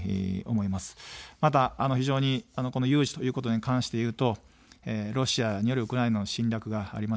また非常に、この有事ということに関して言うと、ロシアによるウクライナの侵略がありました。